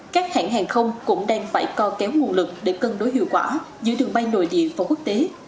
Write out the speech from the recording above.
các hãng hàng không cũng đang phải co kéo nguồn lực để cân đối hiệu quả giữa đường bay nội địa và quốc tế